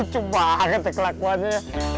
lucu banget ya kelakuannya